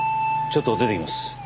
ちょっと出てきます。